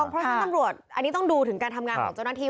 เพราะฉะนั้นตำรวจอันนี้ต้องดูถึงการทำงานของเจ้าหน้าที่